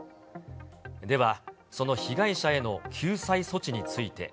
では、その被害者への救済措置について。